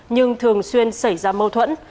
nhưng thường xuyên xảy ra mâu thuẫn